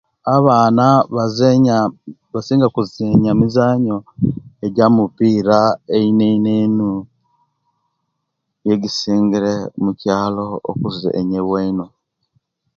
Abaana bazenya, basinga kuzeenya mizaanyo ja mupiira eino eino eino; nijo ejisingire omukyaalo okuzaanyiwa eino.